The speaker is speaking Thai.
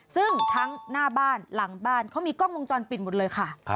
ซึ่งทั้งหน้าบ้านหลังบ้านเขามีกล้องวงจรปิดหมดเลยค่ะ